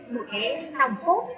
một cái nằm cốt